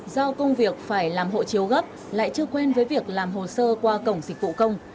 do công việc phải làm hộ chiếu gấp lại chưa quen với việc làm hồ sơ qua cổng dịch vụ công